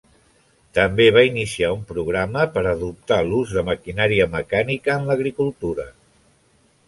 També va iniciar un programa per adoptar l'ús de maquinària mecànica en l'agricultura.